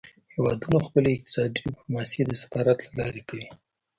هیوادونه خپله اقتصادي ډیپلوماسي د سفارت له لارې کوي